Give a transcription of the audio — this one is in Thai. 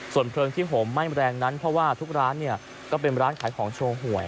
ส่วนเคริงที่ห่มไม่แมงนั้นเพราะว่าทุกร้านเป็นร้านขายของโชงห่วย